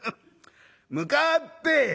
『向かって』」。